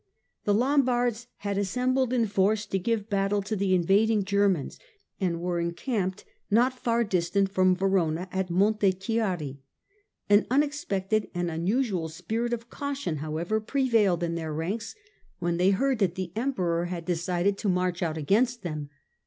The Lombards had assembled in force to give battle to the invading Germans, and were encamped not far distant from Verona, at Montechiari. An unexpected and unusual spirit of caution, however, prevailed in their ranks when they heard that the Emperor had decided H7 148 STUPOR MUNDI to march out against them.